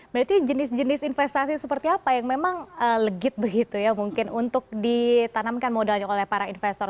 berarti jenis jenis investasi seperti apa yang memang legit begitu ya mungkin untuk ditanamkan modalnya oleh para investor